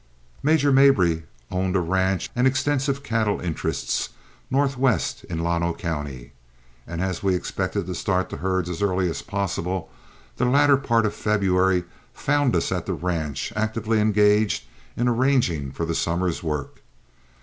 Major Mabry owned a ranch and extensive cattle interests northwest in Llano County. As we expected to start the herds as early as possible, the latter part of February found us at the ranch actively engaged in arranging for the summer's work.